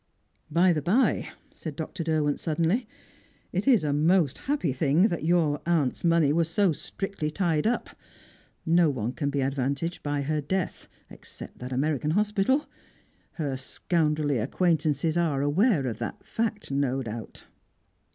"By the bye," said Dr. Derwent suddenly, "it is a most happy thing that your aunt's money was so strictly tied up. No one can be advantaged by her death except that American hospital. Her scoundrelly acquaintances are aware of that fact no doubt."